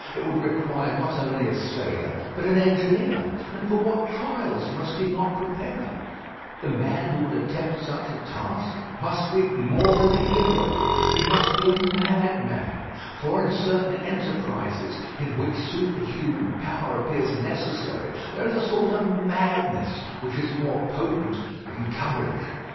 It would require not only a sailor, but an engineer; and for what trials must he not prepare. The man who would attempt such a task must be more than a hero. He must be a madman: for in certain enterprises, in which superhuman power appears necessary, there is a sort of madness which is more potent than courage.